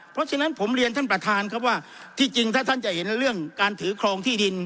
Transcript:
เพราะฉะนั้นผมเรียนท่านประธานครับว่าที่จริงถ้าท่านจะเห็นเรื่องการถือครองที่ดิน